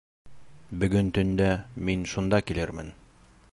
Бөгөн төндә мин шунда килермен.